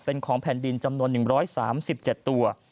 เป็นของแผ่นดินจำนวน๑๓๗ตัว